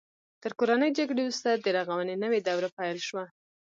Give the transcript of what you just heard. تر کورنۍ جګړې وروسته د رغونې نوې دوره پیل شوه.